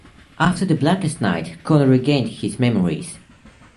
After the "Blackest Night," Connor regained his memories.